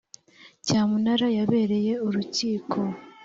cyamunara yabereye urukiko